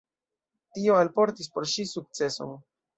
Tio alportis por ŝi sukceson.